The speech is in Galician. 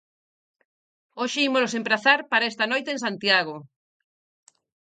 Hoxe ímolos emprazar para esta noite en Santiago.